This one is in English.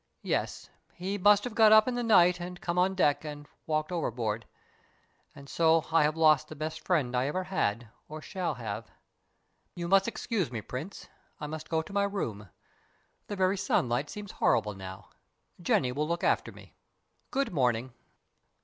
Yes, he must have got up in the night and come on deck, and walked overboard, and so I have lost the best friend I ever had, or shall have. You must excuse me, Prince. I must go to my room. The very sunlight seems horrible now. Jenny will look after me. Good morning!"